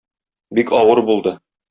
Бик авыр булды.